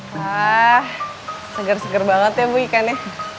wah seger seger banget ya bu ikannya